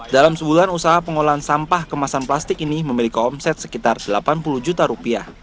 dalam sebulan usaha pengolahan sampah kemasan plastik ini memiliki omset sekitar delapan puluh juta rupiah